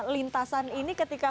lintasan ini ketika